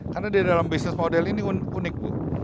karena di dalam bisnis model ini unik